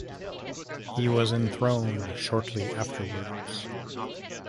He was enthroned shortly afterwards.